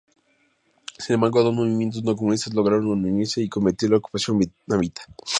Sin embargo, dos movimientos no-comunistas lograron organizarse y combatir a la ocupación vietnamita.